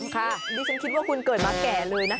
ดิฉันคิดว่าคุณเกิดมาแก่เลยนะคะ